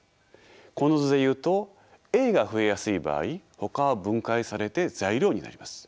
この図で言うとＡが増えやすい場合ほかは分解されて材料になります。